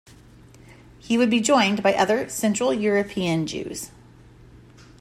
He would be joined by other Central European Jews.